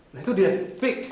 nah itu dia vick